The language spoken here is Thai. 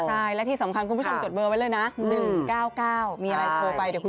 ใช่และที่สำคัญคุณผู้ชมจดเบอร์ไว้เลยนะ๑๙๙มีอะไรโทรไปเดี๋ยวคุณ